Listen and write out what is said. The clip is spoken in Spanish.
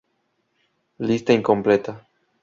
Lista incompleta